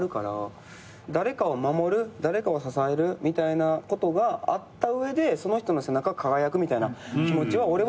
誰かを守る誰かを支えるみたいなことがあった上でその人の背中輝くみたいな気持ちは俺はある。